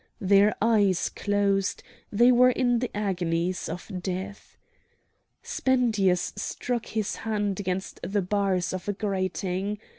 Their eyes closed; they were in the agonies of death. Spendius struck his hand against the bars of a grating.